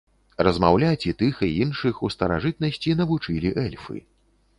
Размаўляць і тых і іншых у старажытнасці навучылі эльфы.